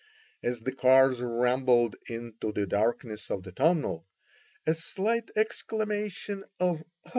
As the cars rambled into the darkness of the tunnel, a slight exclamation of "Oh!"